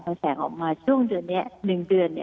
พอแสงออกมาช่วงเดือนนี้๑เดือน